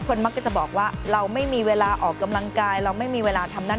มักก็จะบอกว่าเราไม่มีเวลาออกกำลังกายเราไม่มีเวลาทำนั่น